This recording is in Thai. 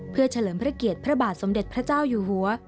เพื่อเฉลิมพระเกียรติพระบาทสมเด็จพระเจ้าอยู่หัว